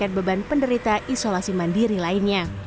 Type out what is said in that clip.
dan memperbaiki kekuatan penderitaan isolasi mandiri lainnya